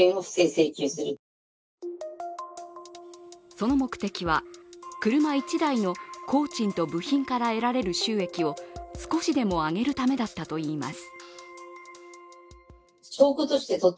その目的は、車１台の工賃と部品から得られる収益を少しでも上げるためだったといいます。